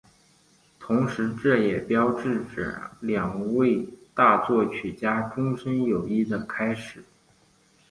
同时这也标志着两位大作曲家终身友谊的开始。